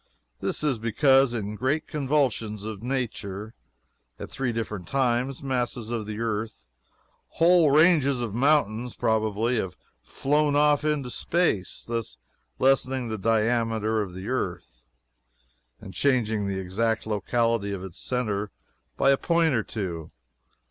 This is because, in great convulsions of nature, at three different times, masses of the earth whole ranges of mountains, probably have flown off into space, thus lessening the diameter of the earth, and changing the exact locality of its centre by a point or two.